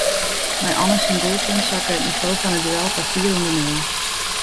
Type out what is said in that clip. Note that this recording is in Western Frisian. Nei Anne syn doelpunt sakke it nivo fan it duel ta fier ûnder nul.